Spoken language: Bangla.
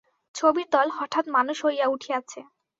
ছবির দল হঠাৎ মানুষ হইয়া উঠিয়াছে।